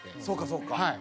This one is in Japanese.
そうかそうか。